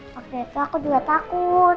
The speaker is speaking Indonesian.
waktu itu aku juga takut